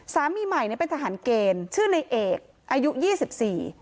สามีใหม่เนี้ยเป็นทหารเกณฑ์ชื่อในเอกอายุยี่สิบสี่